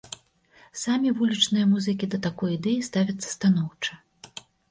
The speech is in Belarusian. Самі вулічныя музыкі да такой ідэі ставяцца станоўча.